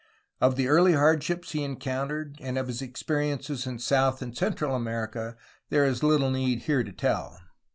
Of the early hardships he encountered and of his experiences in South and Central America there is little need here to tell.